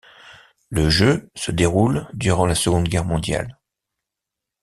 Le jeu se déroule durant la seconde Guerre mondiale.